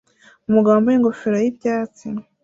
Umugabo wambaye ingofero y'ibyatsi